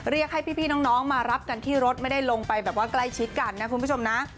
เรียกให้พี่น้องมารับกันที่รถไม่ได้ลงไปแบบว่าใกล้ชิดกันนะคุณผู้ชมนะ